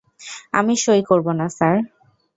আমি সই করব না, স্যার।